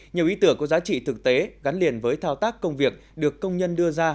nhiều ý tưởng có giá trị thực tế gắn liền với thao tác công việc được công nhân đưa ra